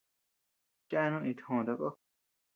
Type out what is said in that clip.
Chèènu itjoó takoó.